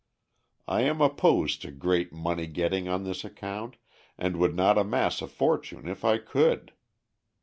I am opposed to great money getting on this account, and would not amass a fortune if I could.